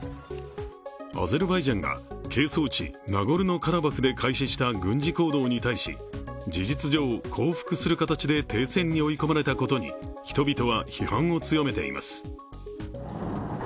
アゼルバイジャンが係争地ナゴルノ・カラバフで開始した軍事行動に対し事実上降伏する形で停戦に追い込まれたことに人々は批判を強めています。